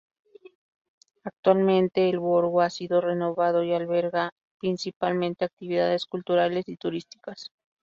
Actualmente el borgo ha sido renovado y alberga principalmente actividades culturales y turísticas.